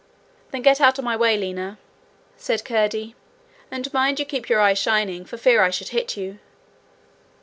'Then get out of my way, Lina,' said Curdie, and mind you keep your eyes shining, for fear I should hit you.'